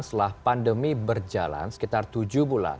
setelah pandemi berjalan sekitar tujuh bulan